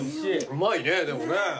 うまいねでもね。